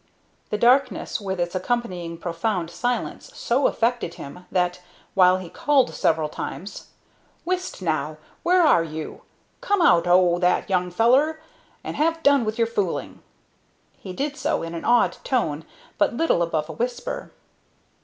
The darkness, with its accompanying profound silence, so affected him that, while he called several times, "Whist now! Where are you? Come out o' that, young feller, and have done with your foolin'!" he did so in an awed tone but little above a whisper.